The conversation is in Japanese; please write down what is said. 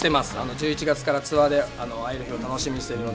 １１月からツアーで会えるのを楽しみにしています。